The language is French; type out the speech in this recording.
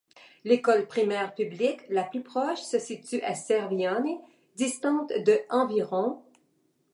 L'école primaire publique la plus proche se situe à Cervione, distante de environ.